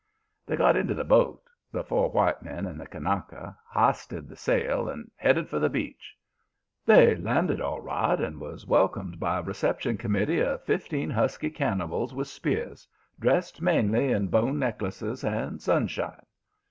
"They got into the boat the four white men and the Kanaka histed the sail, and headed for the beach. They landed all right and was welcomed by a reception committee of fifteen husky cannibals with spears, dressed mainly in bone necklaces and sunshine.